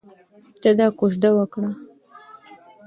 ته دا کوژده وکړه.